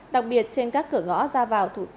đặc biệt trên các cửa ngõ ra vào